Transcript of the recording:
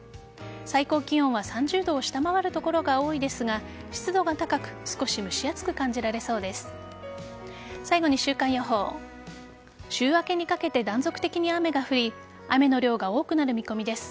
最高気温は３０度を下回る所が多いですが湿度が高く少し蒸し暑く感じられそうです。